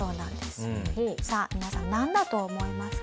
さあ皆さんなんだと思いますか？